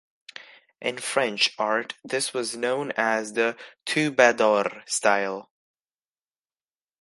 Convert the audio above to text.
In French art this was known as the Troubador style.